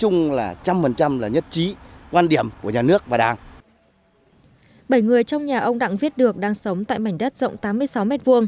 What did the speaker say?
bảy người trong nhà ông đặng viết được đang sống tại mảnh đất rộng tám mươi sáu m hai